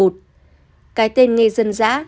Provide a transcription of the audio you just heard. cái tên nghe dân dã